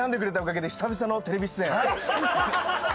夏のテレビ出演